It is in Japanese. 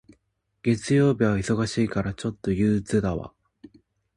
月曜日は忙しいから、ちょっと憂鬱だわ。